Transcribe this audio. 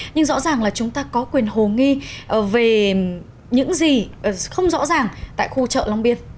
nhưng rõ ràng là chúng ta có quyền hồ nghi về những gì không rõ ràng tại khu chợ long biên